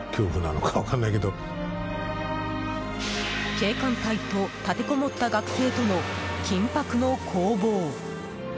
警官隊と立てこもった学生との緊迫の攻防。